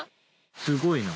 すごいな。